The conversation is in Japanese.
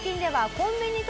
コンビニと。